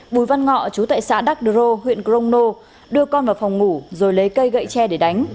bùi văn ngọ chú tại xã đắk đô rô huyện grongno đưa con vào phòng ngủ rồi lấy cây gậy tre để đánh